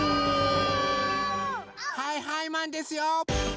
はいはいマンですよ！